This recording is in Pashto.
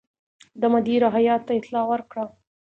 ده مدیره هیات ته اطلاع ورکړه.